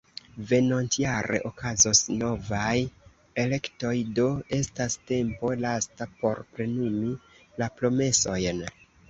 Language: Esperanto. Venontjare okazos novaj elektoj, do estas tempo lasta por plenumi la promesojn.